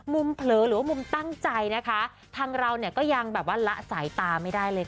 มุมเผลอหรือมุมตั้งใจนะคะทางเราก็ยังหละสายตาไม่ได้เลยค่ะ